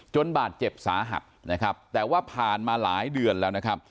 บาดเจ็บสาหัสนะครับแต่ว่าผ่านมาหลายเดือนแล้วนะครับ